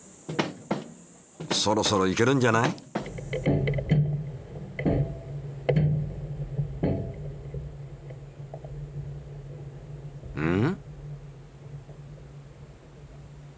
そろそろいけるんじゃない？ん？